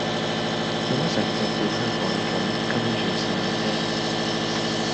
做乜成隻吊靴鬼咁跟住哂啫